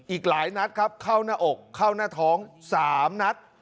อีกหลายนัดครับเข้าหน้าอกเข้าหน้าท้อง๓นัด